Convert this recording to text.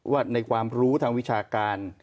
ว่าในความรู้ทางวิชาการ